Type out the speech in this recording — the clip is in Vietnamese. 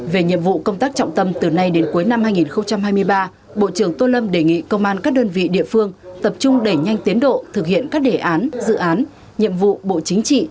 về nhiệm vụ công tác trọng tâm từ nay đến cuối năm hai nghìn hai mươi ba bộ trưởng tô lâm đề nghị công an các đơn vị địa phương tập trung đẩy nhanh tiến độ thực hiện các đề án dự án nhiệm vụ bộ chính trị